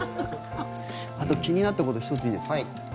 あと、気になったこと１ついいですか？